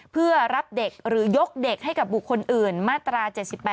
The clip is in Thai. เพื่อรับเด็กหรือยกเด็กให้กับบุคคลอื่นมาตรา๗๘